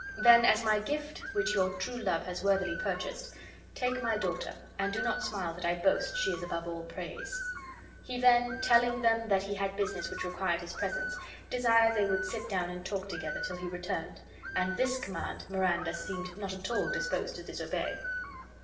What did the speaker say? Then as my gift, which your true love has worthily purchased, take my daughter, and do not smile that I boast she is above all praise." He then, telling them that he had business which required his presence, desired they would sit down and talk together till he returned; and this command Miranda seemed not at all disposed to disobey.